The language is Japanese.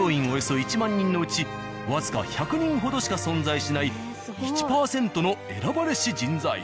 およそ１万人のうち僅か１００人ほどしか存在しない１％の選ばれし人材。